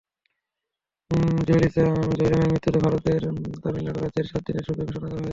জয়ললিতা জয়রামের মৃত্যুতে ভারতের তামিলনাড়ু রাজ্যে সাত দিনের শোক ঘোষণা করা হয়েছে।